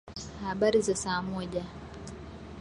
Habari za saa moja.